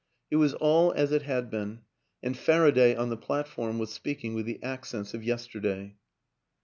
It was all as it had been; and Faraday, on the platform, was speaking with the accents of yesterday.